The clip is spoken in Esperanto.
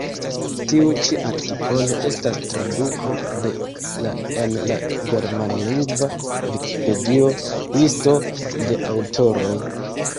Tiu ĉi artikolo estas traduko de la en la germanlingva vikipedio, listo de aŭtoroj.